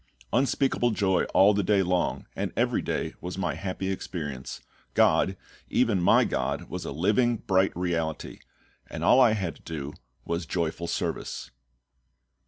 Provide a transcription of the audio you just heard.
Unspeakable joy all the day long, and every day, was my happy experience. GOD, even my GOD, was a living, bright Reality; and all I had to do was joyful service.